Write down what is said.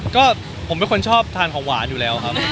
ก็ผมเป็นคนชอบทานของหวานอยู่แล้วครับ